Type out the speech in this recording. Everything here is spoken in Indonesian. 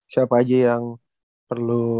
siapa aja yang perlu